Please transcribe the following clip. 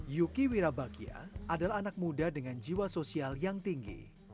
yuki wirabakia adalah anak muda dengan jiwa sosial yang tinggi